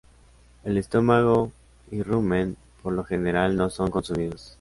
El estómago y rumen por lo general no son consumidos.